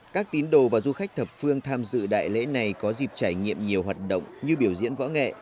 các tín đồ và du khách thập phương tham dự đại lễ này có dịp trải nghiệm nhiều hoạt động như biểu diễn võ nghệ